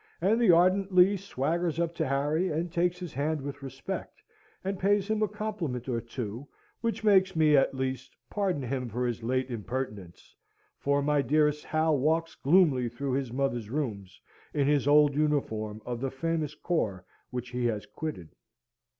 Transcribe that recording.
And the ardent Lee swaggers up to Harry, and takes his hand with respect, and pays him a compliment or two, which makes me, at least, pardon him for his late impertinence; for my dearest Hal walks gloomily through his mother's rooms in his old uniform of the famous corps which he has quitted.